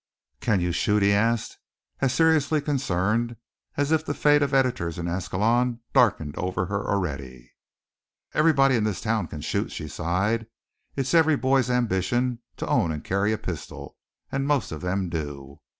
"Can you shoot?" he asked, as seriously concerned as if the fate of editors in Ascalon darkened over her already. "Everybody in this town can shoot," she sighed. "It's every boy's ambition to own and carry a pistol, and most of them do."